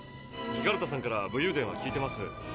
ギガルトさんから武勇伝は聞いてます。